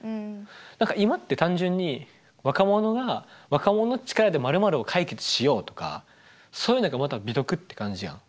何か今って単純に若者が若者の力で○○を解決しようとかそういうのがまた美徳って感じやん。